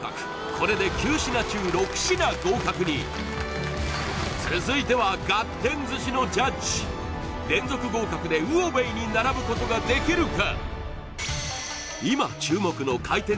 これで９品中６品合格に続いてはがってん寿司のジャッジ連続合格で魚べいに並ぶことができるか？